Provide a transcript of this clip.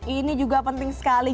ini juga penting sekali